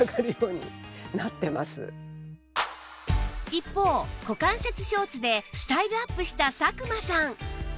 一方股関節ショーツでスタイルアップした佐久間さん